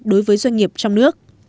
đối với doanh nghiệp trong nước